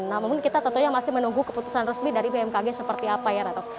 namun kita tentunya masih menunggu keputusan resmi dari bmkg seperti apa ya ratu